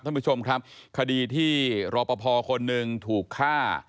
ท่านผู้ชมครับคดีที่รอปภคนหนึ่งถูกฆ่า